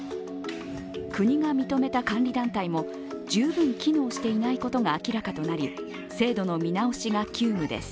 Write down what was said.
国が認めた監理団体も十分機能していないことが明らかとなり制度の見直しが急務です。